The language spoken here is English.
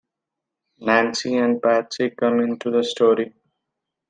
Nancy and Patsy come into the story.